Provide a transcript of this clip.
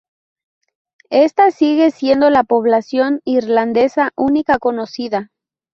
Esta sigue siendo la población irlandesa única conocida.